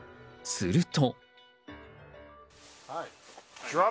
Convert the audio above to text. すると。